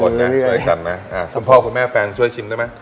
ช่วยกันไหมส่วนพ่อคุณแม่แฟนช่วยชิมได้ไหม